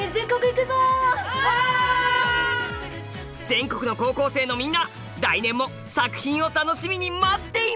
全国の高校生のみんな来年も作品を楽しみに待っています！